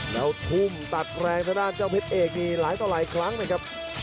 แล้วทุ่มตัดแรงทางด้านเจ้าเพชรเอกนี่หลายต่อหลายครั้งนะครับ